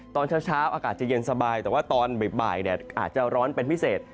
ตอนเช้าอากาศจะเย็นสบายแต่ว่าตอนบ่ายอาจจะร้อนเป็นพิเศษ